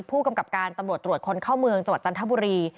ผู้กำกับการตำรวจตรวจคนเข้าเมืองจังหวัดจันทบุรี